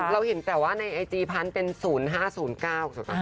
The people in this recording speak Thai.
เราเห็นแต่ว่าในไอจีพันธุ์เป็น๐๕๐๙ถูกป่ะ